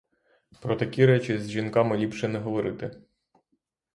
Про такі речі з жінками ліпше не говорити.